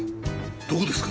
どこですか？